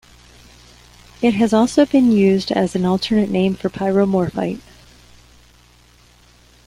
It has also been used as an alternate name for pyromorphite.